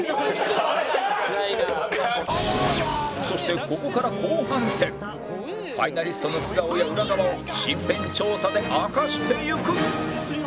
そしてここから後半戦ファイナリストの素顔や裏側を身辺調査で明かしていく